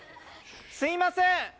すいません！